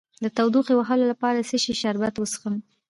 د تودوخې د وهلو لپاره د څه شي شربت وڅښم؟